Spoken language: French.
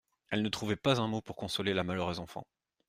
Elle ne trouvait pas un mot pour consoler la malheureuse enfant.